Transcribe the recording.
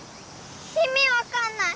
意味分かんない！